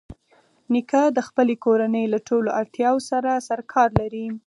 نیکه د خپلې کورنۍ له ټولو اړتیاوو سره سرکار لري.